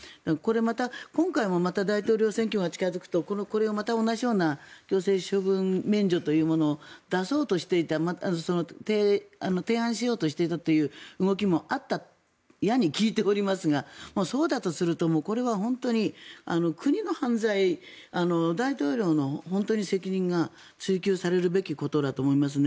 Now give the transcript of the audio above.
今回もまた大統領選挙が近付くとまた同じような行政処分免除というものを出そうとしていた提案しようとしていたという動きもあったやに聞いていますがそうだとするとこれは本当に国の犯罪大統領の責任が追及されるべきことだと思いますね。